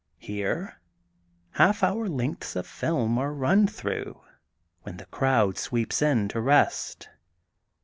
Here half hour lengths of film are run through, when the crowd sweeps in to rest.